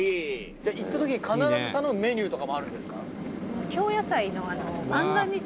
「じゃあ行った時に必ず頼むメニューとかもあるんですか？」